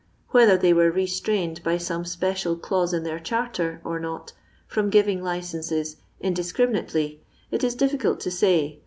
Whether they were ri'ttmitied by tome •pecial ckttM in their charter, or not, from giving licences indiscriminately, it is difficult to say.